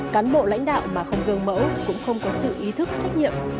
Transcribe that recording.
cán bộ lãnh đạo mà không gương mẫu cũng không có sự ý thức trách nhiệm